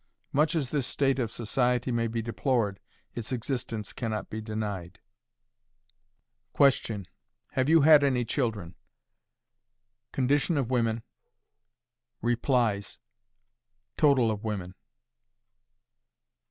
Much as this state of society may be deplored, its existence can not be denied. Question. HAVE YOU HAD ANY CHILDREN? Condition of Replies. Total of Women.